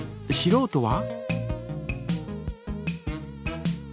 しろうとは？